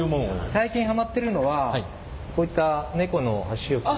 最近ハマってるのはこういった猫の箸置き。